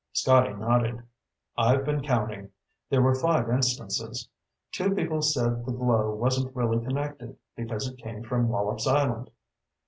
Scotty nodded. "I've been counting. There were five instances. Two people said the glow wasn't really connected, because it came from Wallops Island."